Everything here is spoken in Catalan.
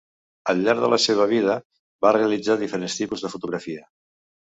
Al llarg de la seva vida va realitzar diferents tipus de fotografia.